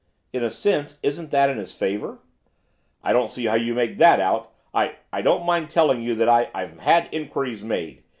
'In a sense, isn't that in his favour?' 'I don't see how you make that out. I I don't mind telling you that I I've had inquiries made.